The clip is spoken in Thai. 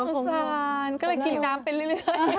สงสารก็เลยกินน้ำไปเรื่อย